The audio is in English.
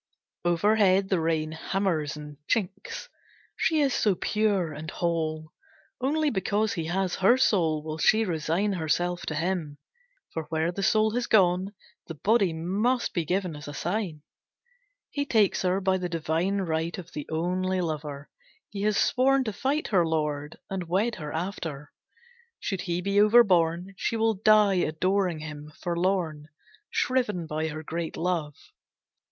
Overhead, the rain hammers and chinks. She is so pure and whole. Only because he has her soul will she resign herself to him, for where the soul has gone, the body must be given as a sign. He takes her by the divine right of the only lover. He has sworn to fight her lord, and wed her after. Should he be overborne, she will die adoring him, forlorn, shriven by her great love.